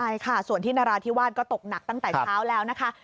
ใช่ค่ะส่วนที่นราธิวาสก็ตกหนักตั้งแต่เช้าแล้วนะคะ